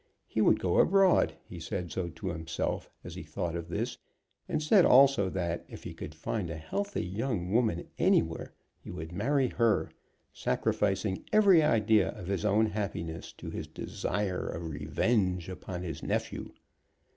He would go abroad. He said so to himself as he thought of this, and said also that, if he could find a healthy young woman anywhere, he would marry her, sacrificing every idea of his own happiness to his desire of revenge upon his nephew.